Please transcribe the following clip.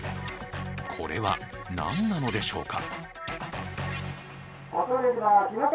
これは何なのでしょうか。